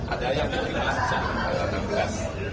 adanya yang diterima bisa dibilang karyawan kelas